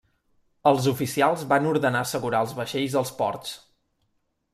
Els oficials van ordenar assegurar els vaixells als ports.